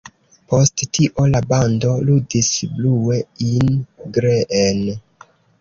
Post tio la bando ludis „Blue in Green”.